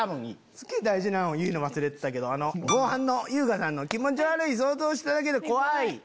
すげぇ大事なんを言うの忘れてたけど後半の優香さんの「気持ち悪い想像しただけで怖い」のとこ